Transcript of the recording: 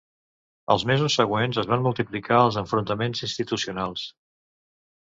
Els mesos següents es van multiplicar els enfrontaments institucionals.